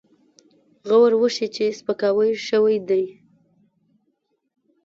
غور وشي چې سپکاوی شوی دی.